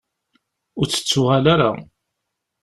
Ur d-tettuɣal ara.